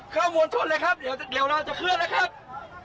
เข้าเข้าหมวนชนเลยครับเดี๋ยวเราจะเคลื่อนแล้วครับ